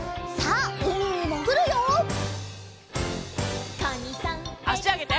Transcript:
あしあげて。